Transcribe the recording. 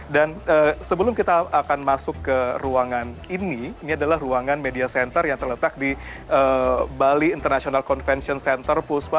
dan sebelum kita akan masuk ke ruangan ini ini adalah ruangan media center yang terletak di bali international convention center pusma